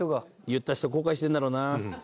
言った人後悔してるんだろうな。